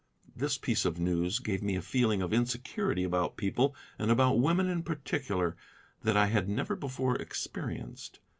This piece of news gave me a feeling of insecurity about people, and about women in particular, that I had never before experienced.